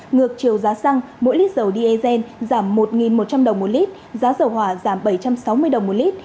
ngược chiều giá xăng mỗi lít dầu diesel giảm một một trăm linh đồng một lít giá dầu hỏa giảm bảy trăm sáu mươi đồng một lít